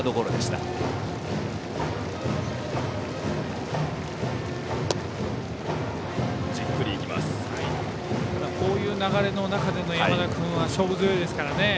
ただ、こういう流れでの山田君は勝負強いですからね。